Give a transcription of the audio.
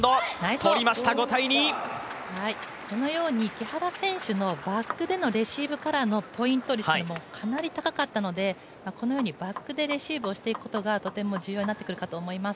このように、木原選手のバックからのレシーブのポイント率もかなり高かったので、このようにバックでレシーブをしていくことがとても重要になってくるかと思います。